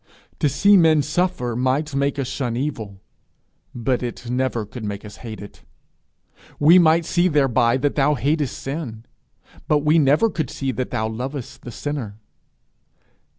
To see men suffer might make us shun evil, but it never could make us hate it. We might see thereby that thou hatest sin, but we never could see that thou lovest the sinner.